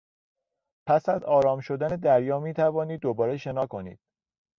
پس از آرام شدن دریا میتوانید دوباره شنا کنید.